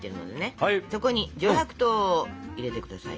そこに上白糖を入れて下さい。